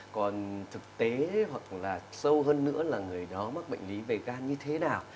còn thực tế hoặc là sâu hơn nữa là người đó mắc bệnh lý về gan như thế nào